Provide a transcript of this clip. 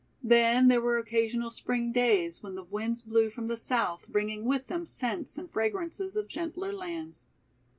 Then there were occasional spring days when the winds blew from the south bringing with them scents and fragrances of gentler lands.